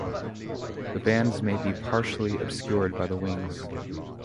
The bands may be partly obscured by the wings.